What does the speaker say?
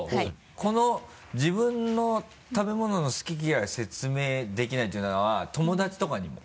この「自分の食べ物の好き嫌い説明できない」っていうのは友達とかにも？